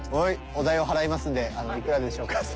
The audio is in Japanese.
お代を払いますんでいくらでしょうか？